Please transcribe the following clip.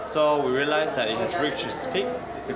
kami menyadari bahwa tim ini sudah mencapai kekuatan